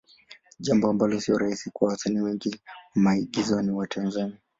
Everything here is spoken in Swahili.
Jambo ambalo sio rahisi kwa wasanii wengi wa maigizo wa Tanzania.